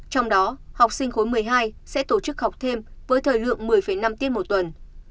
trong đó học sinh khối một mươi hai sẽ tổ chức học thêm với thời lượng một mươi năm tiết một tuần